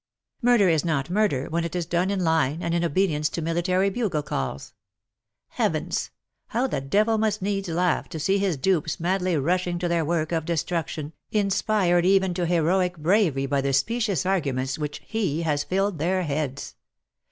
Murder is not murder when it is done in line and in obedience to military bugle calls ! Heavens ! How the devil must needs laugh to see his dupes madly rushing to their work of destruction, inspired even to heroic bravery by the specious arguments with which he has filled their heads.